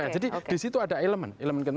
jadi di situ ada elemen